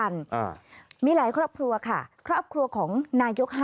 ฟังเสียงลูกจ้างรัฐตรเนธค่ะ